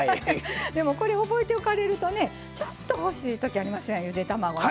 でもこれ覚えておかれるとねちょっと欲しい時ありますやんゆで卵ね。